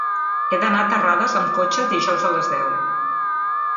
He d'anar a Terrades amb cotxe dijous a les deu.